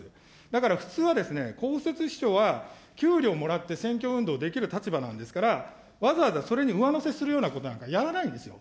だから普通は、公設秘書は給料をもらって選挙運動できる立場なんですから、わざわざ、それに上乗せするようなことなんかやらないんですよ。